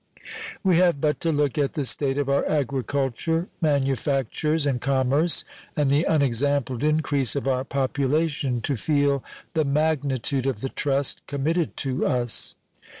We have but to look at the state of our agriculture, manufactures, and commerce and the unexampled increase of our population to feel the magnitude of the trust committed to us.